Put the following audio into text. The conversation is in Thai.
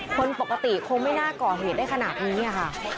คนปกติคงไม่น่าก่อเหตุได้ขนาดนี้ค่ะ